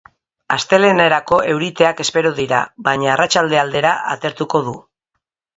Astelehenerako euriteak espero dira baina arratsalde aldera atertuko du.